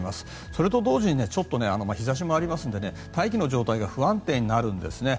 それと同時に日差しもありますので大気の状態が不安定になるんです